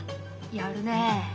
やるね。